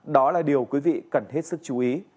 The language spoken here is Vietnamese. đó là điều quý vị cần hết sức chú ý